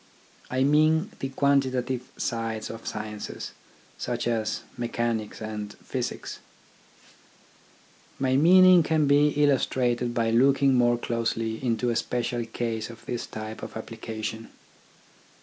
I mean the quantitative sides of sciences, such as mechanics and physics. My meaning can be illustrated by looking 18 THE ORGANISATION OF THOUGHT more closely into a special case of this type of application.